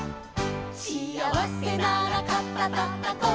「しあわせなら肩たたこう」「」